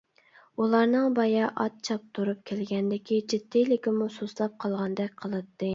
ئۇلارنىڭ بايا ئات چاپتۇرۇپ كەلگەندىكى جىددىيلىكىمۇ سۇسلاپ قالغاندەك قىلاتتى.